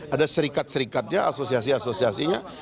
ada serikat serikatnya asosiasi asosiasinya